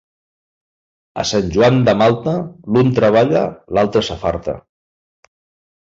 A Sant Joan de Malta, l'un treballa i l'altre s'afarta.